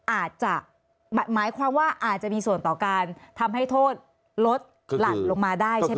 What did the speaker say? อาจจะหมายความว่าอาจจะมีส่วนต่อการทำให้โทษลดหลั่นลงมาได้ใช่ไหม